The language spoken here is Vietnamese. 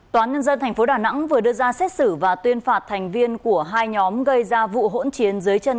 tòa án nhân dân tp đà nẵng vừa đưa ra xét xử và tuyên phạt thành viên của hai nhóm gây ra vụ hỗn chiến dưới chân